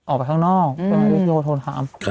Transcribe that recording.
ออกไปข้างนอก